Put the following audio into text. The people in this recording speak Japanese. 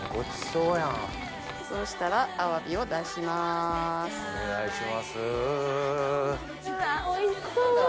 うわっおいしそう！